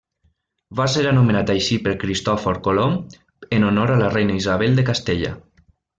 Va ser anomenat així per Cristòfor Colom en honor a la reina Isabel de Castella.